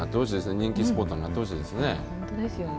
人気スポットになってほしいですね。